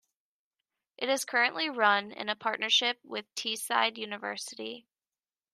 It is currently run in a partnership with Teesside University.